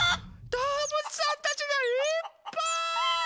どうぶつさんたちがいっぱい！